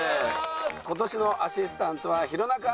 今年のアシスタントは弘中アナです。